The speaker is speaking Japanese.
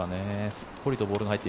すっぽりとボールが入って。